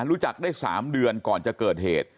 รู้จักได้๓เดือนก่อนจะเกิดเหตุ